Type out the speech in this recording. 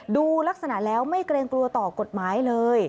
ดูลักษณะแล้วไม่เกรงกลัวต่อกฎหมายเลย